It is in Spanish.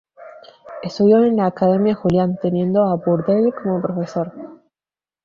Estudió en la academia Julian, teniendo a Bourdelle como profesor.